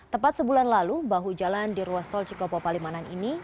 tepat sebulan lalu bahu jalan di ruas tol cikopo palimanan ini